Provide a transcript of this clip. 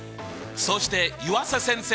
そして湯浅先生！